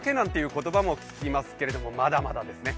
言葉も聞きますけどまだまだですね。